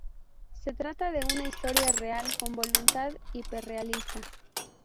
Se trata de una historia real con voluntad hiperrealista.